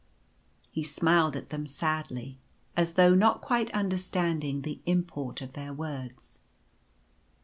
He smiled at them sadly,' as though not quite understanding the import of their words.